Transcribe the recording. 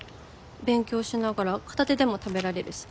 勉強しながら片手でも食べられるし。